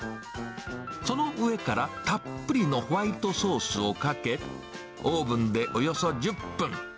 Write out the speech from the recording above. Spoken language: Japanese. その上から、たっぷりのホワイトソースをかけ、オーブンでおよそ１０分。